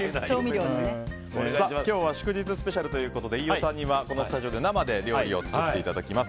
今日は祝日スペシャルということで飯尾さんにはこのスタジオで生で料理を作っていただきます。